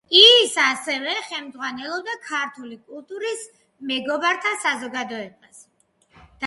ის ასევე ხელმძღვანელობდა „ქართული კულტურის მეგობართა საზოგადოებას“.